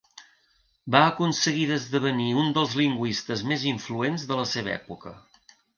Va aconseguir d'esdevenir un dels lingüistes més influents de la seva època.